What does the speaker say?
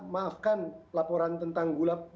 maafkan laporan tentang gula